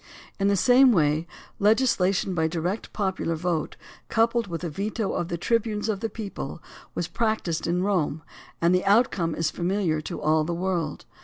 In the same way, legislation AND THE RECALL OF JUDGES 97 by direct popular vote coupled with the veto of the tribunes of the people, was practised in Rome, and the outcome is familiar to all the world.